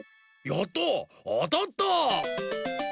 やったあたった！